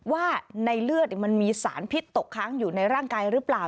ว่าในเลือดมันมีสารพิษตกค้างอยู่ในร่างกายหรือเปล่า